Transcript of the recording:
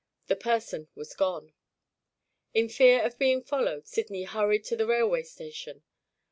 The person was gone. In fear of being followed, Sydney hurried to the railway station.